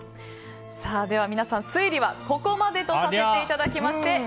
では皆さん、推理はここまでとさせていただきます。